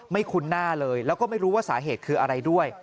คุ้นหน้าเลยแล้วก็ไม่รู้ว่าสาเหตุคืออะไรด้วย